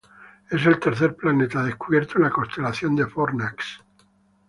Es el tercer planeta descubierto en la constelación de Fornax.